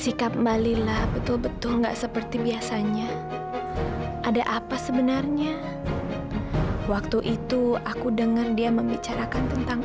sikap mbak lila betul betul enggak seperti biasanya ada apa sebenarnya waktu itu aku dengar dia membicarakan tentang